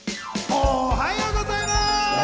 おはようございます！